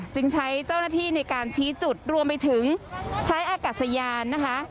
จึงใช้เจ้าหน้าที่ในการชี้จุดรวมไปถึงใช้อากาศยานนะคะ